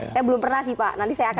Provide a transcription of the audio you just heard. saya belum pernah sih pak